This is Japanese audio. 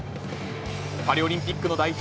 パリオリンピックの代表